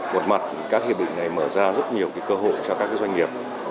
một mặt các hiệp định này mở ra rất nhiều cơ hội cho các doanh nghiệp